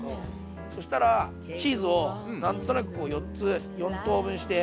そしたらチーズを何となくこう４つ４等分して。